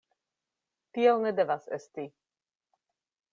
Tiel ne devas esti!